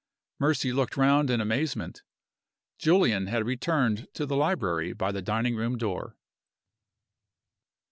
Mercy looked round in amazement. Julian had returned to the library by the dining room door.